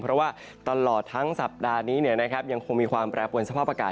เพราะว่าตลอดทั้งสัปดาห์นี้ยังคงมีความแปรปวนสภาพอากาศ